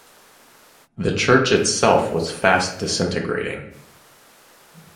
The Church itself was fast disintegrating.